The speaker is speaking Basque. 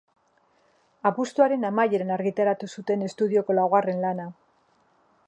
Abuztuaren amaieran argitaratu zuten estudioko laugarren lana.